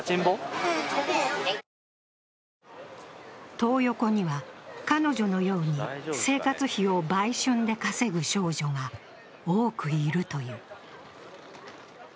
トー横には彼女のように生活費を売春で稼ぐ少女が多くいるという。